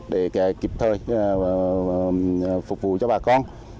để kịp thời phục vụ cho bà con